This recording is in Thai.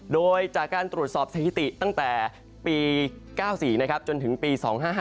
โดยจากการตรวจสอบสถิติตั้งแต่ปี๙๔จนถึงปี๒๕๕